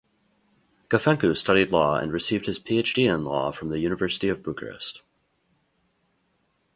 Gafencu studied law and received his Ph.D. in law from the University of Bucharest.